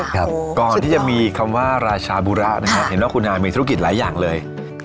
ก่อนที่จะมีคำว่าราชาบุระนะครับเห็นว่าคุณอามีธุรกิจหลายอย่างเลย